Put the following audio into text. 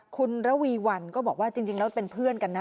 คุณระวีวันก็บอกว่าจริงแล้วเป็นเพื่อนกันนะ